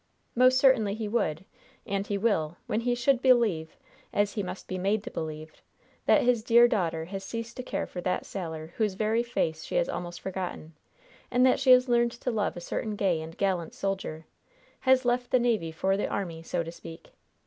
"Most certainly he would and he will, when he should believe, as he must be made to believe, that his dear daughter has ceased to care for that sailor whose very face she has almost forgotten, and that she has learned to love a certain gay and gallant soldier has left the navy for the army, so to speak!